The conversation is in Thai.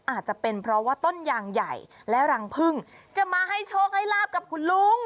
อาจจะเป็นเพราะว่าต้นยางใหญ่และรังพึ่งจะมาให้โชคให้ลาบกับคุณลุง